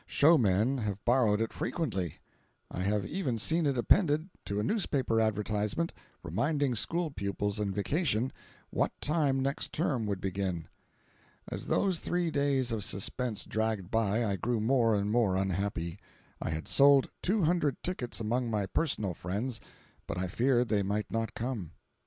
Showmen have borrowed it frequently. I have even seen it appended to a newspaper advertisement reminding school pupils in vacation what time next term would begin. As those three days of suspense dragged by, I grew more and more unhappy. I had sold two hundred tickets among my personal friends, but I feared they might not come.